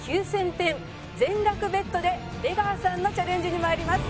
９０００点全額ベットで出川さんのチャレンジに参ります。